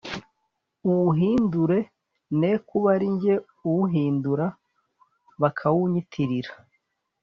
uwuhindūre ne kuba ari jye uwuhindūra, bakawunyitirira.”